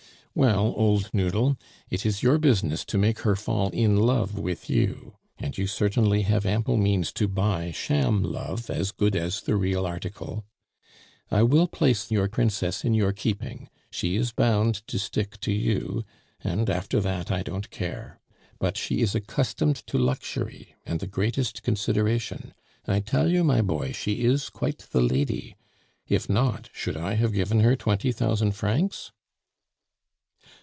"Well, old noodle, it is your business to make her fall in love with you, and you certainly have ample means to buy sham love as good as the real article. I will place your princess in your keeping; she is bound to stick to you, and after that I don't care. But she is accustomed to luxury and the greatest consideration. I tell you, my boy, she is quite the lady. If not, should I have given her twenty thousand francs?"